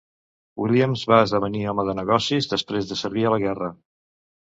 Williams va esdevenir home de negocis després de servir a la guerra.